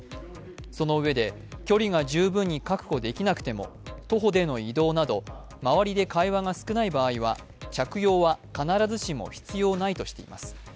そのうえで、距離が十分に確保できなくても徒歩での移動など周りで会話が少ない場合は、着用は必ずしも必要ないとしています。